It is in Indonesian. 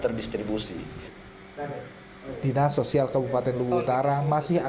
karena hari itu juga kita mengukur dua belas anak penyandang disabilitas